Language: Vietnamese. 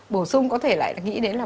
bổ sung có thể lại nghĩ đến là